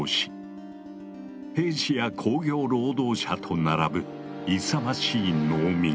兵士や工業労働者と並ぶ勇ましい農民。